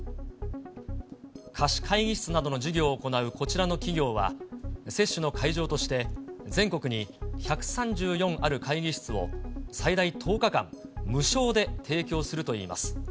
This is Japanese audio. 貸会議室などの事業を行うこちらの企業は、接種の会場として全国に１３４ある会議室を最大１０日間、無償で提供するといいます。